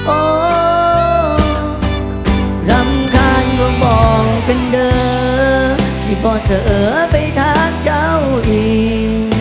โอ้รำคัญก็บอกกันเด้อสิบอกเสือไปทักเจ้าอีก